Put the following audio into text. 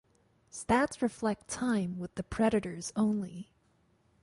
Stats reflect time with the Predators only.